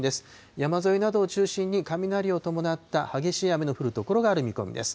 山沿いなどを中心に雷を伴った激しい雨の降る所がある見込みです。